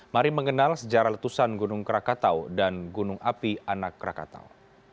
mari mengenal sejarah letusan gunung krakatau dan gunung api anak krakatau